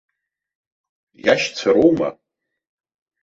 Иашьцәа роума?